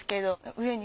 上に？